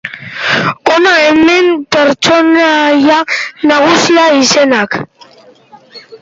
Hona hemen pertsonaia nagusien izenak.